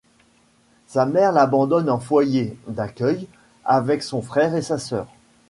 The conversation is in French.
Sa mère l'abandonne en foyer d'accueil avec son frère et sa soeur.